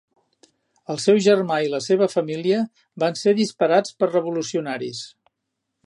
El seu germà i la seva família van ser disparats per revolucionaris.